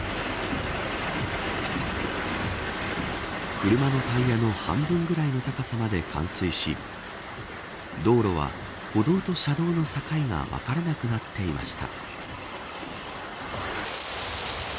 車のタイヤの半分くらいの高さまで冠水し道路は歩道と車道の境が分からなくなっていました。